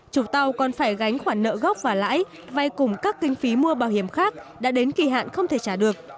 chủ tàu còn phải gánh khoản nợ gốc và lãi vay cùng các kinh phí mua bảo hiểm khác đã đến kỳ hạn không thể trả được